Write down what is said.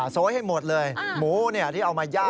โซยให้หมดเลยหมูที่เอามาย่า